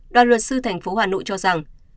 đoàn luật sư thành phố hà nội cho rằng